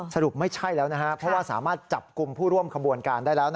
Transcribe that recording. สรุปไม่ใช่แล้วนะครับเพราะว่าสามารถจับกลุ่มผู้ร่วมขบวนการได้แล้ว